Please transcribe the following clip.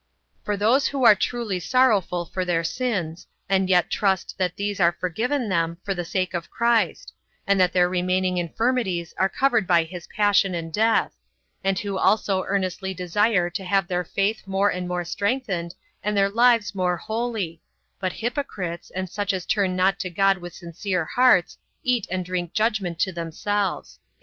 For those who are truly sorrowful for their sins, and yet trust that these are forgiven them for the sake of Christ; and that their remaining infirmities are covered by his passion and death; and who also earnestly desire to have their faith more and more strengthened, and their lives more holy; but hypocrites, and such as turn not to God with sincere hearts, eat and drink judgment to themselves.